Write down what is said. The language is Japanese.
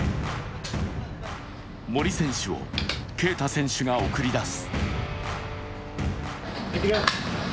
森選手を恵匠選手が送り出す。